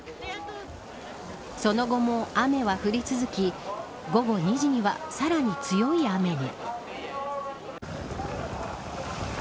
その後も雨は降り続き午後２時には、さらに強い雨に。